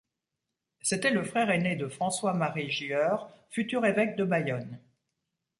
C'était le frère aîné de François-Marie Gieure, futur évêque de Bayonne.